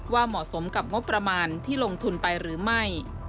เหมาะสมกับงบประมาณที่ลงทุนไปหรือไม่